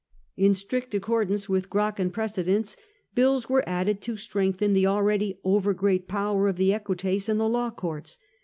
In strict accordance with Gracclian precedents, bills were added to strengthen the already over great power of the Equites in the law courts.